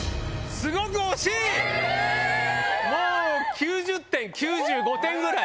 ９０ 点９５点ぐらい。